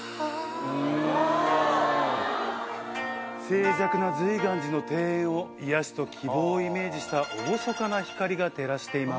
静寂な瑞巌寺の庭園を癒やしと希望をイメージした厳かな光が照らしています。